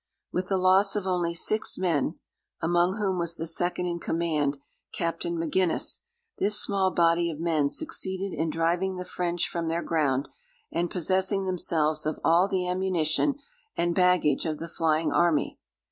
With the loss of only six men, (among whom was the second in command, Captain M'Ginnes,) this small body of men succeeded in driving the French from their ground, and possessing themselves of all the ammunition and baggage of the flying army.